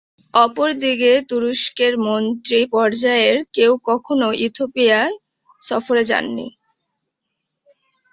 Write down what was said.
অপরদিকে তুরস্কের মন্ত্রী পর্যায়ের কেউ কখনও ইথিওপিয়া সফরে যাননি।